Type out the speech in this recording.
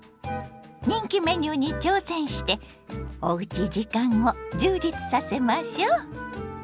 人気メニューに挑戦しておうち時間を充実させましょ。